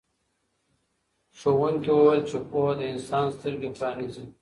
ښوونکي وویل چې پوهه د انسان سترګې پرانیزي.